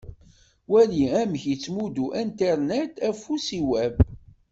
Wali amek i yettmuddu Internet afus i Web.